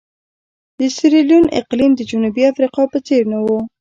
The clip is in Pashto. د سیریلیون اقلیم د جنوبي افریقا په څېر نه وو.